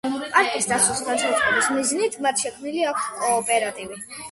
პარკის დაცვის ხელშეწყობის მიზნით, მათ შექმნილი აქვთ კოოპერატივი.